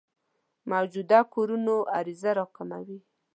موجوده کورونو عرضه راکموي.